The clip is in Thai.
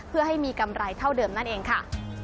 เพื่อให้มีกำไรเท่าเดิมนั่นเองค่ะ